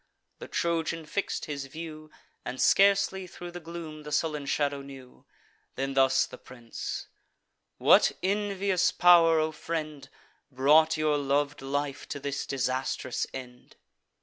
The Trojan fix'd his view, And scarcely thro' the gloom the sullen shadow knew. Then thus the prince: "What envious pow'r, O friend, Brought your lov'd life to this disastrous end?